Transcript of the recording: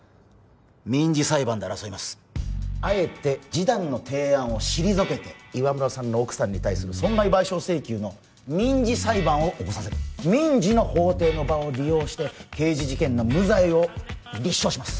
民事裁判で争いますあえて示談の提案を退けて岩村さんの奥さんに対する損害賠償請求の民事裁判を起こさせる民事の法廷の場を利用して刑事事件の無罪を立証します